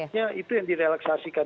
sehingga itu yang direlaksasikan